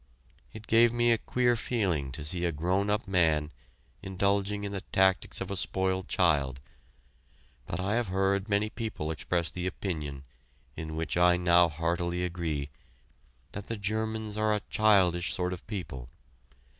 It gave me a queer feeling to see a grown up man indulging in the tactics of a spoiled child, but I have heard many people express the opinion, in which I now heartily agree, that the Germans are a childish sort of people.